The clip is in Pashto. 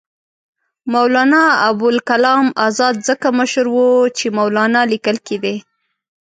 مولنا ابوالکلام آزاد ځکه مشر وو چې مولنا لیکل کېدی.